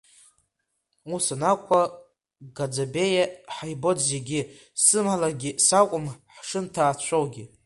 Ус анакәха, гаӡабеиа ҳаибоит зегьы, сымалагьы сакәым, ҳшынҭаацәоугьы!